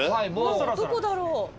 どこだろう？